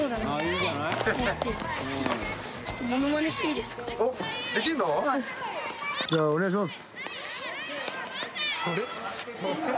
じゃあお願いします。